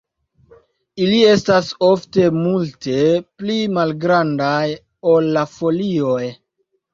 Ili estas ofte multe pli malgrandaj ol la folioj.